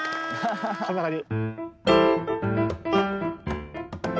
こんな感じ。